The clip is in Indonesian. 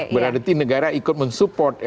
berarti negara ikut men support